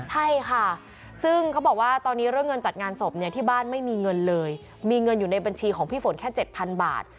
ใช่ค่ะซึ่งเขาบอกว่าตอนนี้เรื่องเงินจัดงานศพเนี่ยที่บ้านไม่มีเงินเลยมีเงินอยู่ในบัญชีของพี่ฝนแค่๗๐๐บาท